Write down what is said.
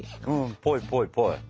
ぽいぽいぽい。